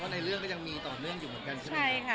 ในเรื่องก็ยังมีต่อเล่นอยู่เหมือนกัน